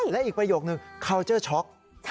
และอีกประโยคหนึ่งคาวเจอร์ช็อค